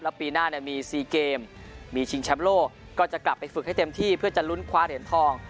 ปีหน้ามี๔เกมมีชิงแชมป์โลกก็จะกลับไปฝึกให้เต็มที่เพื่อจะลุ้นคว้าเหรียญทอง